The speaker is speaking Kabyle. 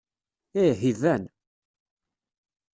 Ih, iban.